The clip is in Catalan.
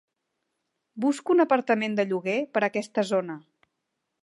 Busco un apartament de lloguer per aquesta zona.